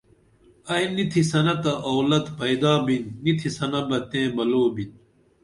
ائی نی تِھسنہ تہ اولد پیدا بِین نی تِھسنہ بہ تئیں بلو بِن